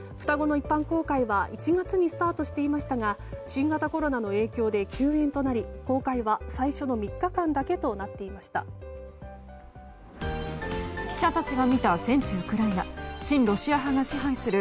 双子の一般公開は１月にスタートしていましたが新型コロナの影響で休園となり公開は最初の３日間だけとなっていました。